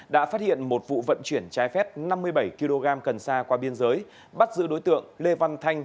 đã phát hiện một vụ vận chuyển trái phép năm mươi bảy kg cần xa qua biên giới bắt giữ đối tượng lê văn thanh